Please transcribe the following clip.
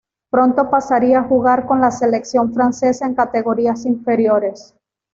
Pronto pasaría a jugar con la selección francesa en categorías inferiores.